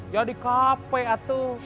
ya di kape atuh